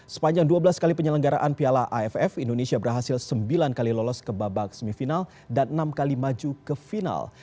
sepanjang dua belas kali penyelenggaraan piala aff indonesia berhasil sembilan kali lolos ke babak semifinal dan enam kali maju ke final